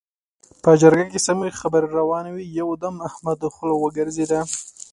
په جرګه کې سمې خبرې روانې وې؛ يو دم د احمد خوله وګرځېده.